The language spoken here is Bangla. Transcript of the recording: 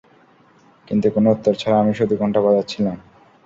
কিন্তু কোন উত্তর ছাড়া আমি শুধু ঘন্টা বাজাচ্ছিলাম।